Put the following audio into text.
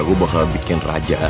gue bakal bikin raja